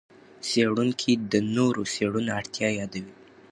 څېړونکي د نورو څېړنو اړتیا یادوي.